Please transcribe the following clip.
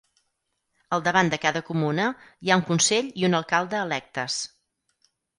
Al davant de cada comuna hi ha un Consell i un Alcalde electes.